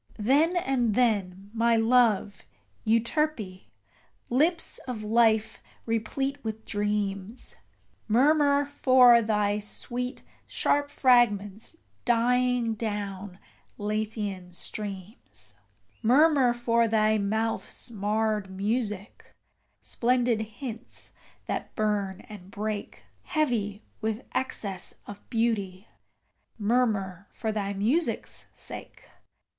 Then and then, my love, Euterpe, lips of life replete with dreams Murmur for thy sweet, sharp fragments dying down Lethean streams: Murmur for thy mouth's marred music, splendid hints that burn and break, Heavy with excess of beauty: murmur for thy music's sake.